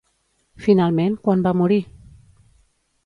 Finalment, quan va morir?